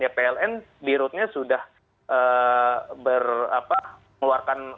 ya pln di rootnya sudah mengeluarkan